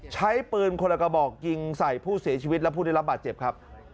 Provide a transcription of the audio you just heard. ใช้ปืนคนละกระบอกยิงใส่ผู้เสียชีวิตและผู้ได้รับบาดเจ็บครับ